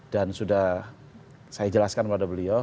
dan sudah saya jelaskan kepada beliau